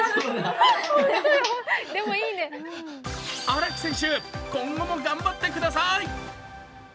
荒木選手、今後も頑張ってください。